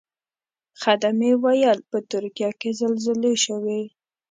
خدمې ویل په ترکیه کې زلزلې شوې.